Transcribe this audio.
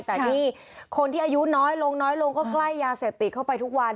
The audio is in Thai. แต่นี่คนที่อายุน้อยลงน้อยลงก็ใกล้ยาเสพติดเข้าไปทุกวัน